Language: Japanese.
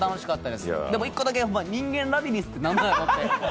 でも、１個だけ、人間ラビリンスって何なのと。